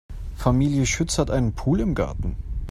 Familie Schütz hat einen Pool im Garten.